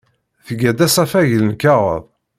Tga-d asafag n lkaɣeḍ.